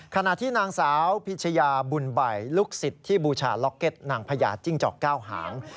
ขณะที่นางสาวพิชยาบุญใบลูกศิษย์ที่บูชาล็อกเก็ตนางพญาจิ้งจอกเก้าหาง